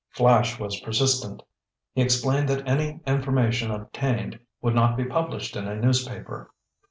Flash was persistent. He explained that any information obtained would not be published in a newspaper.